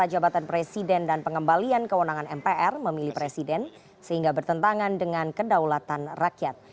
jabatan presiden dan pengembalian kewenangan mpr memilih presiden sehingga bertentangan dengan kedaulatan rakyat